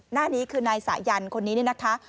หน้านี้คือนายสายันคนนี้เนี่ยนะคะ